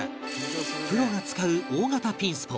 プロが使う大型ピンスポ